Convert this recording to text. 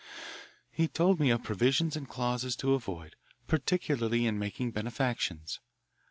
He told me of provisions and clauses to avoid, particularly in making benefactions.